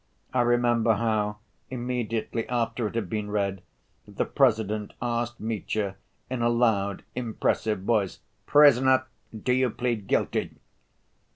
I remember how, immediately after it had been read, the President asked Mitya in a loud impressive voice: "Prisoner, do you plead guilty?"